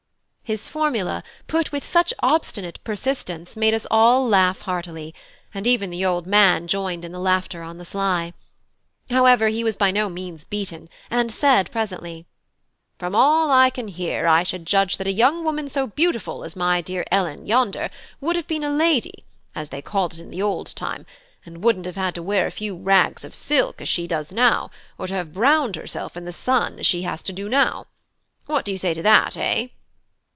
His formula, put with such obstinate persistence, made us all laugh heartily; and even the old man joined in the laughter on the sly. However, he was by no means beaten, and said presently: "From all I can hear, I should judge that a young woman so beautiful as my dear Ellen yonder would have been a lady, as they called it in the old time, and wouldn't have had to wear a few rags of silk as she does now, or to have browned herself in the sun as she has to do now. What do you say to that, eh?"